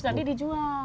terus tadi dijual